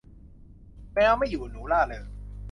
แมวไม่อยู่ หนูร่าเริง